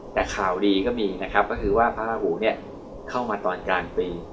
แต่ข่าวดีก็มีนะครับก็คือว่าพระราหูเนี่ยเข้ามาตอนกลางปี